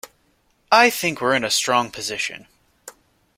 I think we’re in a strong position